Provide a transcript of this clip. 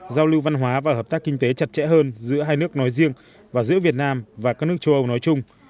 giao lưu văn hóa và hợp tác kinh tế chặt chẽ hơn giữa hai nước nói riêng và giữa việt nam và các nước châu âu nói chung